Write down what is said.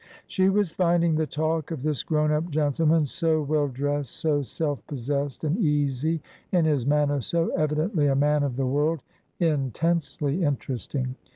She was finding the talk of this grown up gentleman, so well dressed, so self pos sessed and easy in his manner, so evidently a man of the world, intensely interesting.